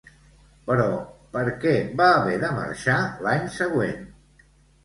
Però, per què va haver de marxar l'any següent?